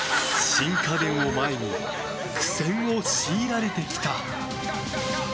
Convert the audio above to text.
新家電を前に苦戦を強いられてきた。